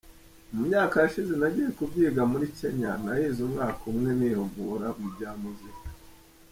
Mu myaka yashize nagiye kubyiga muri Kenya, nahize umwaka umwe nihugura mu bya muzika.